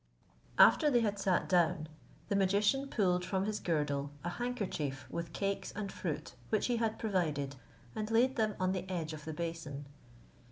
After they had sat down, the magician pulled from his girdle a handkerchief with cakes and fruit, which he had provided, and laid them on the edge of the basin.